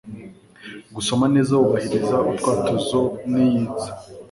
Gusoma neza wubahiriza utwatuzo n'iyitsa.